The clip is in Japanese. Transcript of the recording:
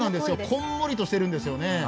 こんもりとしているんですね。